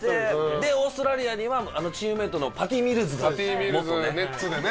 でオーストラリアにはチームメイトのパティ・ミルズが元ね。